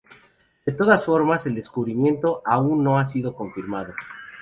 De todas formas, el descubrimiento aún no ha sido confirmado.